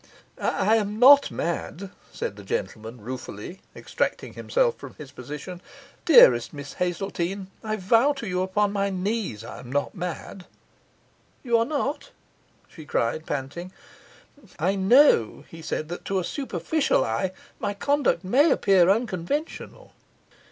'I am not mad,' said the gentleman ruefully, extricating himself from his position. 'Dearest. Miss Hazeltine, I vow to you upon my knees I am not mad!' 'You are not!' she cried, panting. 'I know,' he said, 'that to a superficial eye my conduct may appear unconventional.